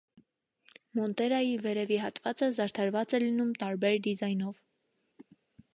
Մոնտերայի վերևի հատվածը զարդարված է լինում տարբեր դիզայնով։